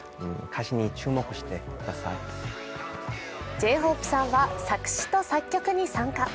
Ｊ−ＨＯＰＥさんは作詩と作曲に参加。